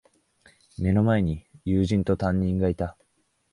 目の前に友人と、担任がいた。